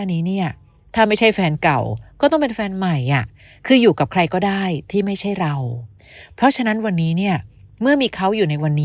และคนอื่นที่ว่านี้เนี่ย